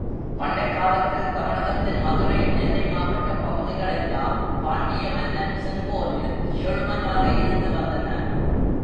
பண்டைக் காலத்தில் தமிழகத்தின் மதுரை, நெல்லை மாவட்டப் பகுதிகள் எல்லாம் பாண்டிய மன்னன் செங்கோலில் செழுமையாக இருந்து வந்தன.